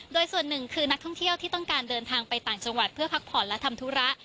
โดยส่วนหนึ่งคือนักท่องเที่ยวที่ต้องการเดินทางไปต่างจังหวัดเพื่อพักผ่อนและทำธุระ